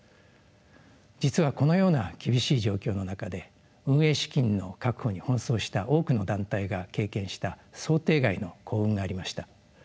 実はこのような厳しい状況の中で運営資金の確保に奔走した多くの団体が経験した想定外の幸運がありました。